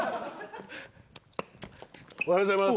おはようございます。